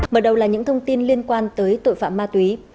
mở đầu là những thông tin liên quan tới tội phạm ma túy